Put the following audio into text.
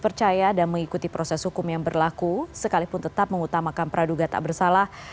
percaya dan mengikuti proses hukum yang berlaku sekalipun tetap mengutamakan praduga tak bersalah